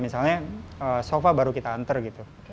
misalnya sofa baru kita antar gitu